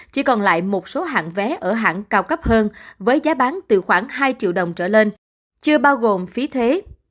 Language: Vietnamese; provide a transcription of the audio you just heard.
chỉ còn lại một số hạng vé ở hãng cao cấp hơn với giá bán từ khoảng hai triệu đồng trở lên chưa bao gồm phí thuế